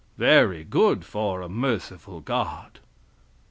Very good for a merciful God!